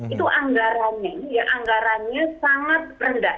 itu anggarannya ya anggarannya sangat rendah